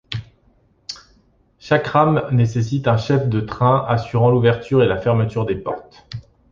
Chaque rame nécessite un chef de train, assurant l'ouverture et la fermeture des portes.